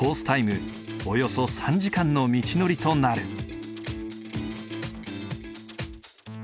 タイムおよそ３時間の道のりとなる。